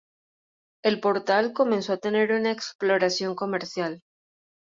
El portal comenzó a tener una exploración comercial.